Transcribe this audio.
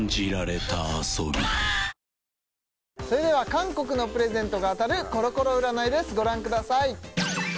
韓国のプレゼントが当たるコロコロ占いですご覧ください